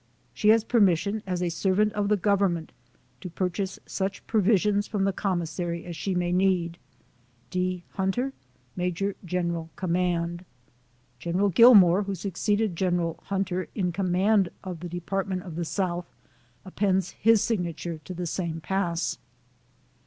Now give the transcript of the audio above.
She has permission, as a servant of the Government, to purchase such provisions from the Commissary as she may need. D. HUNTER, Maj. Gen. Com. General Gillman, who succeeded General Hunter in command of the Department of the South, ap pends his signature to the same pass.